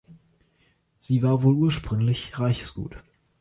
Sie war wohl ursprünglich Reichsgut.